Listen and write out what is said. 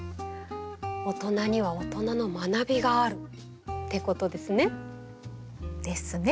大人には大人の学びがあるってことですね。ですね。